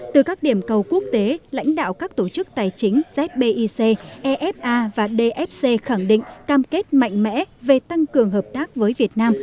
từ các điểm cầu quốc tế lãnh đạo các tổ chức tài chính zbic efa và dfc khẳng định cam kết mạnh mẽ về tăng cường hợp tác với việt nam